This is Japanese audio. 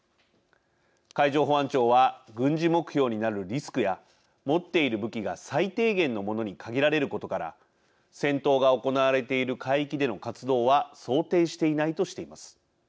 海上保安庁は軍事目標になるリスクや持っている武器が最低限のものに限られることから戦闘が行われている海域での活動は想定していないとしています。